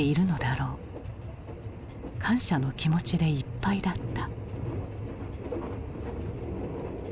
感謝の気持ちでいっぱいだった。